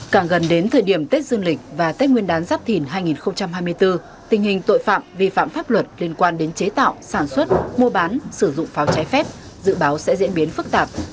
càng gần đến thời điểm tết dương lịch và tết nguyên đán giáp thìn hai nghìn hai mươi bốn tình hình tội phạm vi phạm pháp luật liên quan đến chế tạo sản xuất mua bán sử dụng pháo trái phép dự báo sẽ diễn biến phức tạp